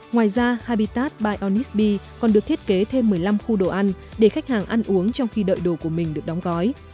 ngoài ra habitas bionisb còn được thiết kế thêm một mươi năm khu đồ ăn để khách hàng ăn uống trong khi đợi đồ của mình được đóng gói